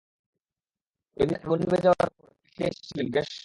ওইদিন আগুন নিভে যাওয়ার পরে, তুমি ফিরে এসেছিলে মুকেশ।